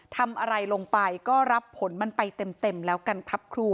ทำอะไรลงไปก็รับผลมันไปเต็มแล้วกันครับครู